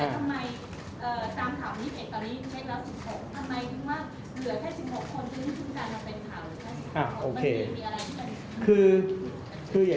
แต่ทำไมตามข่าวนี้ตอนนี้เคล็ดแล้ว๑๖คนทำไมถึงว่าเหลือแค่๑๖คนที่มีคุณการทำเป็นข่าวหรือแค่๑๖คน